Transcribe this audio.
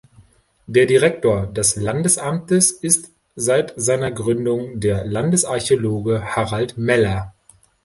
Der Direktor des Landesamtes ist seit seiner Gründung der Landesarchäologe Harald Meller.